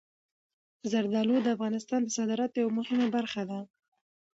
زردالو د افغانستان د صادراتو یوه مهمه برخه ده.